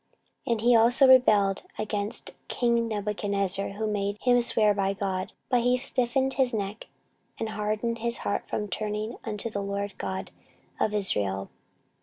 14:036:013 And he also rebelled against king Nebuchadnezzar, who had made him swear by God: but he stiffened his neck, and hardened his heart from turning unto the LORD God of Israel.